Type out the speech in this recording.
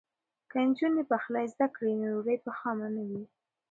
که نجونې پخلی زده کړي نو ډوډۍ به خامه نه وي.